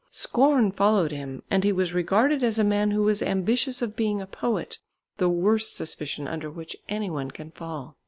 Scorn followed him, and he was regarded as a man who was ambitious of being a poet, the worst suspicion under which any one can fall.